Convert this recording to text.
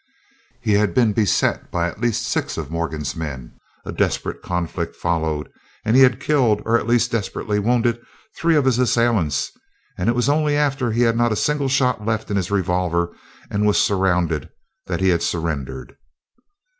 He had been beset by at least six of Morgan's men. A desperate conflict followed, and he had killed, or at least desperately wounded, three of his assailants, and it was only after he had not a single shot left in his revolver and was surrounded that he had surrendered.